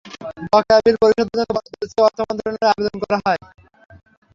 বকেয়া বিল পরিশোধের জন্য বরাদ্দ চেয়ে অর্থ মন্ত্রণালয়ে আবেদন করা হয়।